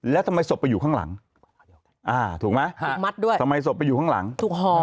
แล้วทำไมศพไปอยู่ข้างหลังอ่าถูกไหมถูกมัดด้วยทำไมศพไปอยู่ข้างหลังถูกห่อ